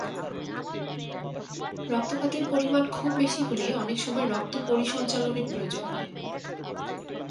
রক্তপাতের পরিমাণ খুব বেশি হলে অনেক সময় রক্ত পরিসঞ্চালনের প্রয়োজন হয়।